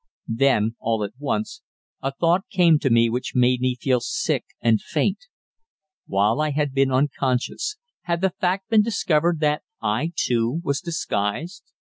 Then, all at once, a thought came to me which made me feel sick and faint. While I had been unconscious, had the fact been discovered that I too was disguised?